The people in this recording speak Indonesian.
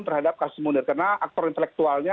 terhadap kasus munir karena aktor intelektualnya